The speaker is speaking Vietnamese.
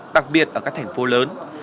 đặc biệt ở các thành phố lớn